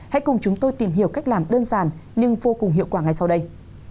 hãy cùng chúng tôi tìm hiểu cách làm đơn giản nhưng vô cùng hiệu quả ngay sau đây